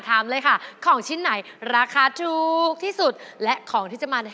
ภายในล่ะครั้งสัญลักษณะต่างกาย